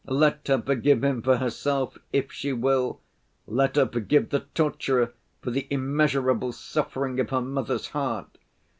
Let her forgive him for herself, if she will, let her forgive the torturer for the immeasurable suffering of her mother's heart.